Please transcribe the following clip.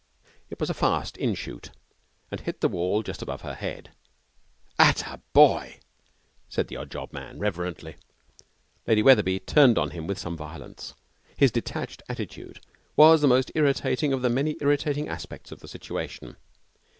It was a fast inshoot, and hit the wall just above her head. ''At a boy!' said the odd job man, reverently. Lady Wetherby turned on him with some violence. His detached attitude was the most irritating of the many irritating aspects of the situation.